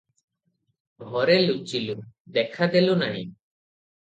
ଘରେ ଲୁଚିଲୁ, ଦେଖାଦେଲୁ ନାହିଁ ।